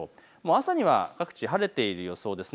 朝には各地晴れている予想です。